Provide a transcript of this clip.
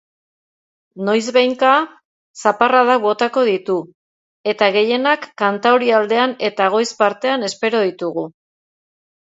Noizbehinka, zaparradak botako ditu eta gehienak kantaurialdean eta goiz partean espero ditugu.